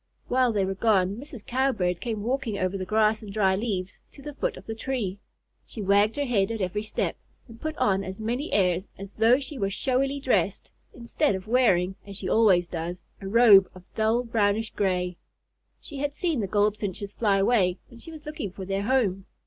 While they were gone, Mrs. Cowbird came walking over the grass and dry leaves to the foot of the tree. She wagged her head at every step, and put on as many airs as though she were showily dressed, instead of wearing, as she always does, a robe of dull brownish gray. She had seen the Goldfinches fly away, and she was looking for their home.